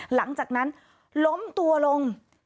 หลังจากนั้นล้มตัวลง